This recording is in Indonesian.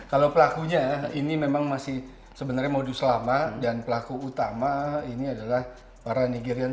kalau pelakunya ini memang masih sebenarnya modus lama dan pelaku utama ini adalah para nigerian